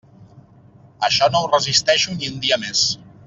Això no ho resisteixo ni un dia més.